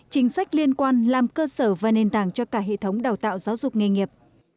chính sách liên quan làm cơ sở và nền tảng cho cả hệ thống đào tạo giáo dục nghề nghiệp